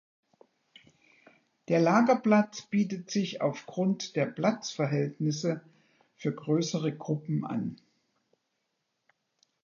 Der Lagerplatz bietet sich aufgrund der Platzverhältnisse für größere Gruppen an.